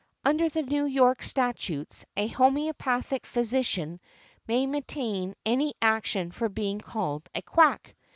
Under the New York Statutes, a homœopathic physician may maintain an action for being called a quack .